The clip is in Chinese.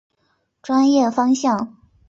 专业方向。